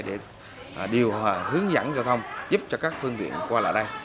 để điều hòa hướng dẫn giao thông giúp cho các phương viện qua lại đây